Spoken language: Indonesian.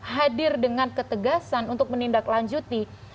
hadir dengan ketegasan untuk menindaklanjuti